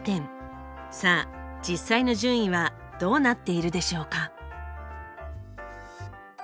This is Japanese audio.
さあ実際の順位はどうなっているでしょうか？